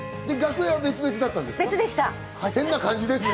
楽屋は別だったんですね。